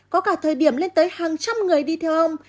có cả thời điểm lên tới hàng trăm người đi theo ông